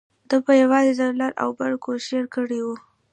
ده په یوازې ځان لر او بر کوشیر کړی و.